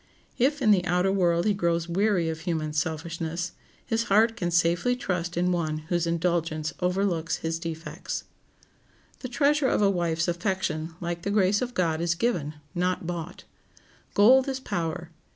If in the outer world he grows weary of human selfishness, his heart can safely trust in one whose indulgence overlooks his defects. The treasure of a wife's affection, like the grace of God, is given, not bought. Gold is power.